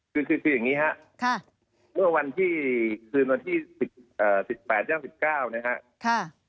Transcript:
คือคืออย่างนี้ฮะค่ะเมื่อวันที่๑๘ยัง๑๙นะฮะ